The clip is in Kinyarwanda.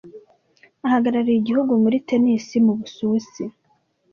ahagarariye igihugu muri tennis mu Busuwisi